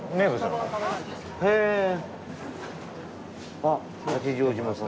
あっ、八丈島産の。